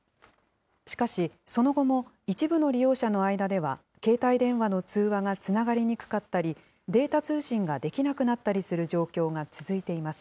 しかし、その後も一部の利用者の間では、携帯電話の通話がつながりにくかったり、データ通信ができなくなったりする状況が続いています。